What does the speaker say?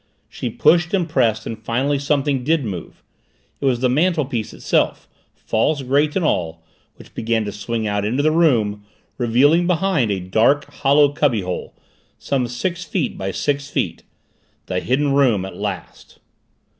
She pushed and pressed and finally something did move. It was the mantelpiece itself, false grate and all, which began to swing out into the room, revealing behind a dark, hollow cubbyhole, some six feet by six the Hidden Room at last!